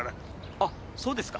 あっそうですか。